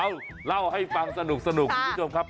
เล่าให้ฟังสนุกคุณผู้ชมครับ